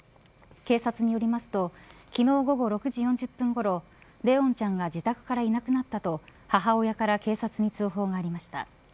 警察によりますと昨日午後６時４０分ごろ怜音ちゃんが自宅からいなくなったと母親から警察に通報がありました。